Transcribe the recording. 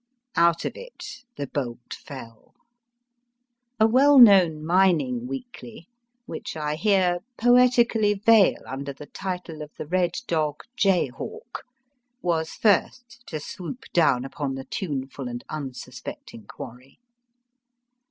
Out of it the bolt fell. A well known mining weekly, which I here poetically veil under the title of the Red Dog Jay Hawk, was first to swoop down upon the tuneful and unsuspecting quarry.